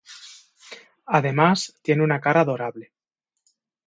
Además tiene una cara adorable.